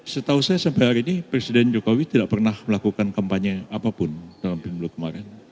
setahu saya sampai hari ini presiden jokowi tidak pernah melakukan kampanye apapun dalam pemilu kemarin